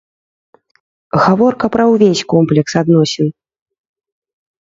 Гаворка пра ўвесь комплекс адносін.